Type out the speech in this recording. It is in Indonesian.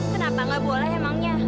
kenapa gak boleh emangnya